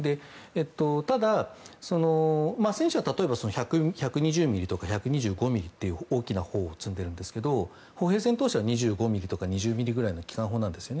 ただ、戦車は例えば１２０ｍｍとか１２５ｍｍという大きな砲を積んでいますが歩兵戦闘車は２５ｍｍとか２０ｍｍぐらいの機関砲なんですね。